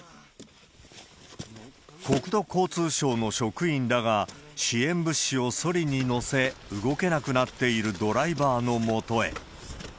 国土交通省の職員らが、支援物資をそりに載せ、動けなくなっているドライバーのもとへ。